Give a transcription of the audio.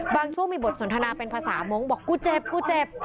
ช่วงมีบทสนทนาเป็นภาษามงค์บอกกูเจ็บกูเจ็บ